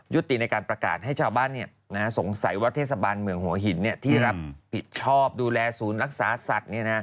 ติในการประกาศให้ชาวบ้านสงสัยว่าเทศบาลเมืองหัวหินที่รับผิดชอบดูแลศูนย์รักษาสัตว์